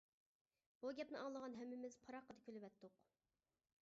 بۇ گەپنى ئاڭلىغان ھەممىمىز پاراققىدە كۈلۈۋەتتۇق.